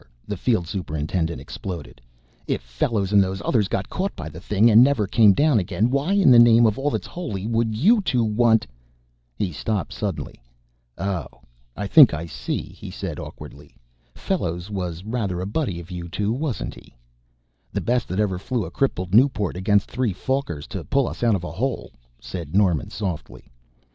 the field superintendent exploded. "If Fellows and those others got caught by the thing and never came down again, why in the name of all that's holy would you two want " He stopped suddenly. "Oh, I think I see," he said, awkwardly. "Fellows was rather a buddy of you two, wasn't he?" "The best that ever flew a crippled Nieuport against three Fokkers to pull us out of a hole," said Norman softly.